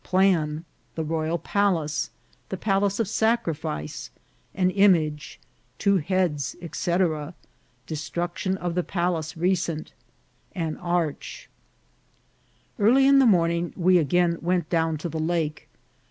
— Plan. — The Royal Palace. — The Place of Sacrifice. — An Image. — Two Heads, &c. — Destruction of the Palace recent. — An Arch. EARLY in the morning we again went down to the lake.